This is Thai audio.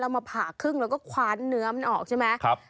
มาผ่าครึ่งแล้วก็คว้านเนื้อมันออกใช่ไหม